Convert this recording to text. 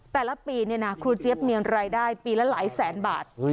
แต่ละปีเนี่ยนะครูเจี๊ยบมีรายได้ปีละหลายแสนบาท